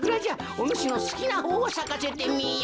おぬしのすきなほうをさかせてみよ。